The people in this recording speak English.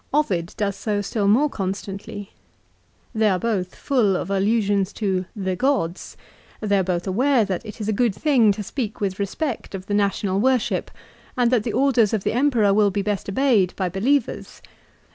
Ovid does so still more constantly. They are both full of allusions to " the gods." They are both aware that it is a good thing to speak with respect of the national worship and that the orders of the Emperor will be best obeyed by believers.